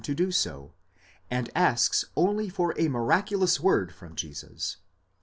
to do so, and asks only for a miraculous word from Jesus.